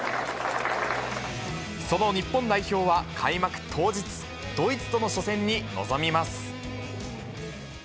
その日本代表は、開幕当日、ドイツとの初戦に臨みます。